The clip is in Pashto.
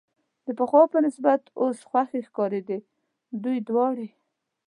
د پخوا په نسبت اوس خوښې ښکارېدې، دوی دواړې.